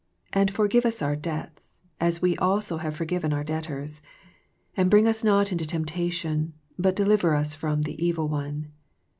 And forgive us our debts, as we also have forgiven our debtors. And bring us not into temp tation, but deliver us from the evil one."